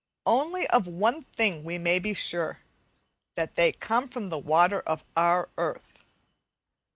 Only, of one thing we may be sure, that they come from the water of our earth.